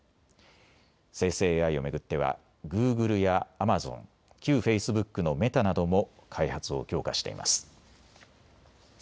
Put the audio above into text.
生成ＡＩを巡ってはグーグルやアマゾン、旧フェイスブックのメタなども開発を強化しています。